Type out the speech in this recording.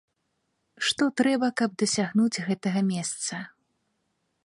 Што трэба, каб дасягнуць гэтага месца?